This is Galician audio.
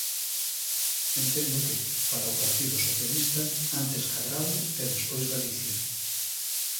Entendo que, para o Partido Socialista, antes Cadrado e despois Galicia.